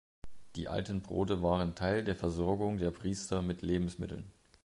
Die alten Brote waren Teil der Versorgung der Priester mit Lebensmitteln.